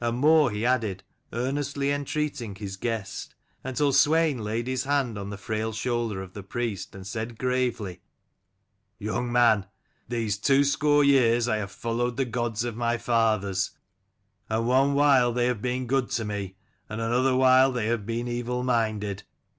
And more he added, earnestly entreating his guest: until Swein laid his hand on the frail shoulder of the priest, and said gravely : "Young man, these two score years I have followed the gods of my fathers : and one while they have been good to me, and another while they have been evilminded.